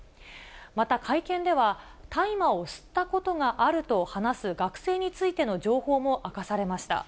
また会見では、大麻を吸ったことがあると話す学生についての情報も明かされました。